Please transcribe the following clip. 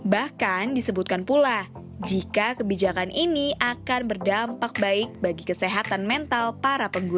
bahkan disebutkan pula jika kebijakan ini akan berdampak baik bagi kesehatan mental para pengguna